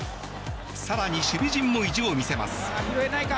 更に守備陣も意地を見せます。